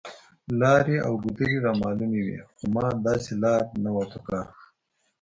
لارې او ګودرې رامعلومې وې، خو ما داسې لار نه وه په کار.